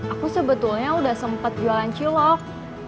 aku sebetulnya udah sempat jualan cilok